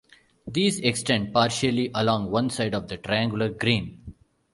These extend partially along one side of the triangular Green.